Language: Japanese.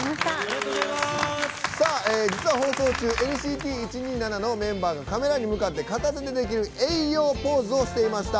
実は放送中、ＮＣＴ１２７のメンバーがカメラに向かって片手でできるＡｙ‐Ｙｏポーズをしていました。